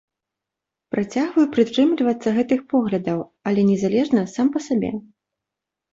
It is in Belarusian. Працягваю прытрымлівацца гэтых поглядаў, але незалежна, сам па сабе.